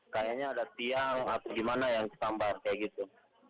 kayaknya ada tiang atau gimana yang kesambar kayak gitu